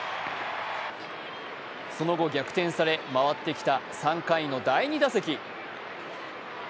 その後、逆転され回ってきた３回の第２打席。